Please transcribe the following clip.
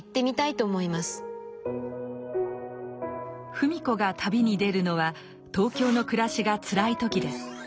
芙美子が旅に出るのは東京の暮らしがつらい時です。